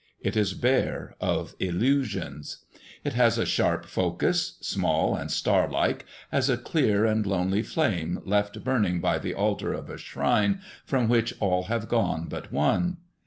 It is bare of illusions. It has a sharp focus, small and starlike, as a clear and lonely flame left burning by the altar of a shrine from which all have gone but one.